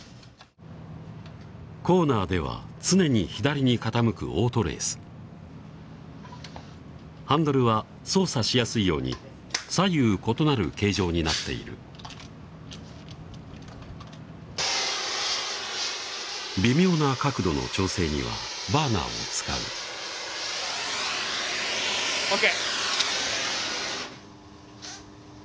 コーナーでは常に左に傾くオートレースハンドルは操作しやすいように左右異なる形状になっている微妙な角度の調整にはバーナーを使う０Ｋ